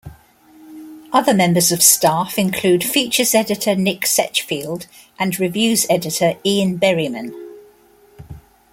Other members of staff include features editor Nick Setchfield and reviews editor Ian Berriman.